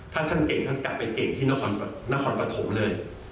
ถ้าท่านเก่งท่านกลับไปเก่งที่นครปฐมเลย